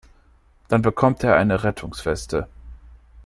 Dann bekommt er eine Rettungsweste.